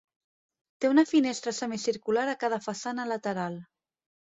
Té una finestra semicircular a cada façana lateral.